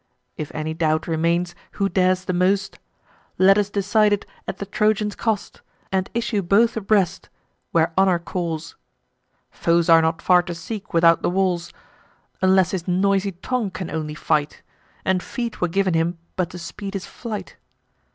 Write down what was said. If any doubt remains, who dares the most, Let us decide it at the Trojan's cost, And issue both abreast, where honour calls— (Foes are not far to seek without the walls) Unless his noisy tongue can only fight, And feet were giv'n him but to speed his flight.